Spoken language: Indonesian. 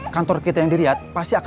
masih di mana tau